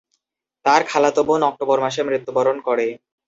তার খালাতো বোন অক্টোবর মাসে মৃত্যুবরণ করে।